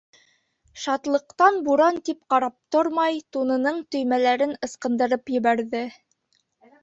Шатлыҡтан, буран тип ҡарап тормай, тунының төймәләрен ысҡындырып ебәрҙе.